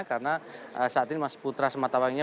karena saat ini mas putra sematawangnya